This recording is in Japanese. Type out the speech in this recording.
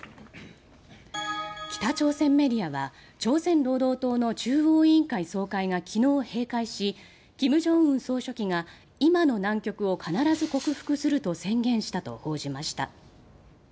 北朝鮮メディアは朝鮮労働党の中央委員会総会が昨日、閉会し金正恩総書記が今の難局を必ず克服すると宣言したと報じました。